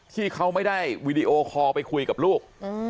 ที่เขาไม่ได้วีดีโอคอลไปคุยกับลูก